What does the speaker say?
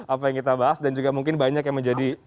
apa yang kita bahas dan juga mungkin banyak yang menjadi